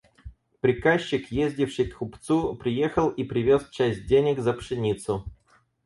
Приказчик, ездивший к купцу, приехал и привез часть денег за пшеницу.